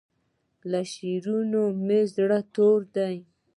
له شعرونو مې زړه تور دی